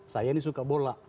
saya ini suka bola